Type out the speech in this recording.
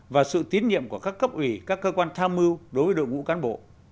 và sự tín nhiệm của các cấp ủy các cơ quan tham mưu đối với đội ngũ cán bộ